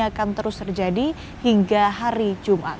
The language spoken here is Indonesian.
akan terus terjadi hingga kembali ke jawa barat